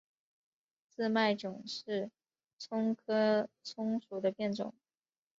白脉韭是葱科葱属的变种。